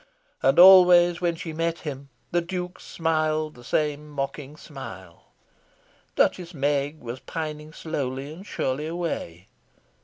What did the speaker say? And always, when she met him, the Duke smiled the same mocking smile. Duchess Meg was pining slowly and surely away...